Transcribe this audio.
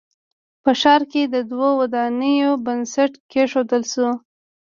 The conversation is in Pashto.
په ښار کښې د دوو ودانیو بنسټ کېښودل شو